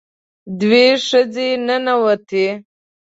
دوه ښځې ننوتې.